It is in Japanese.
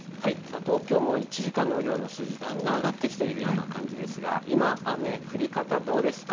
東京も１時間の雨量の数字、だんだん上がってきているような感じですが、今、雨、降り方どうですか。